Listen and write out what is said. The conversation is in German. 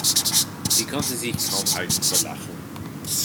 Sie konnte sich kaum halten vor Lachen.